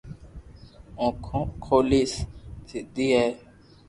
اونکو کولي ديدي ھي